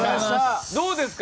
どうですか？